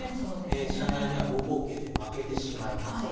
飛車成りには５五桂で負けてしまいます。